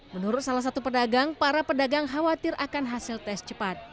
menurut salah satu pedagang para pedagang khawatir akan hasil tes cepat